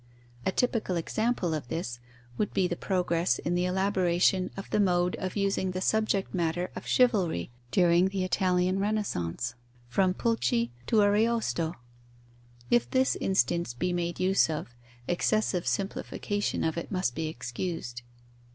A typical example of this would be the progress in the elaboration of the mode of using the subject matter of chivalry, during the Italian Renaissance, from Pulci to Ariosto. (If this instance be made use of, excessive simplification of it must be excused.)